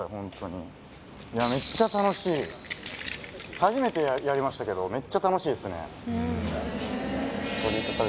初めてやりましたけどめっちゃ楽しいですね。